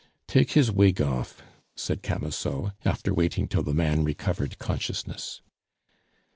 "Take his wig off," said Camusot, after waiting till the man recovered consciousness.